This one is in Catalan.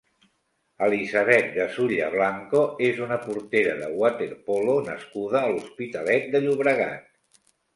Elisabet Gazulla Blanco és una portera de waterpolo nascuda a l'Hospitalet de Llobregat.